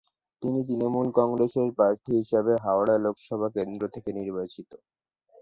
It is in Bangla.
তিনি তৃণমূল কংগ্রেসের প্রার্থী হিসেবে হাওড়া লোকসভা কেন্দ্র থেকে নির্বাচিত।